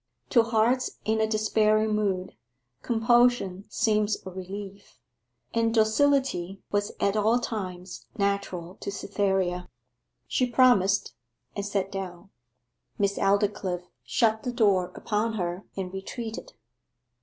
To hearts in a despairing mood, compulsion seems a relief; and docility was at all times natural to Cytherea. She promised, and sat down. Miss Aldclyffe shut the door upon her and retreated.